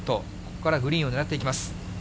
ここからグリーンを狙っていきます。